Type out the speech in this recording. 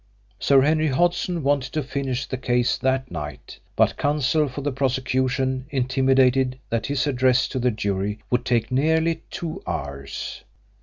Sir Henry Hodson wanted to finish the case that night, but Counsel for the prosecution intimated that his address to the jury would take nearly two hours.